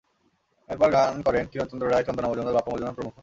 এরপর গান করেন কিরণ চন্দ্র রায়, চন্দনা মজুমদার, বাপ্পা মজুমদার প্রমুখ।